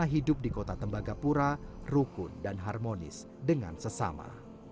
hidup di kota tembagapura rukun dan harmonis dengan sesama